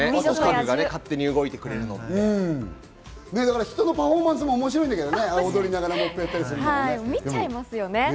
家具が勝手に動いてくれるとかっ人のパフォーマンスも面白いんだけどね、踊りながらモップやったりするのもね。